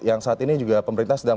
yang saat ini juga pemerintah sedang